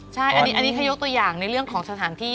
ใช่อันนี้แค่ยกตัวอย่างในเรื่องของสถานที่